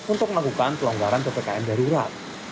untuk melakukan pelonggaran ppkm darurat